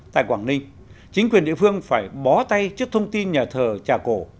tại quảng ninh chính quyền địa phương phải bó tay trước thông tin nhà thờ trà cổ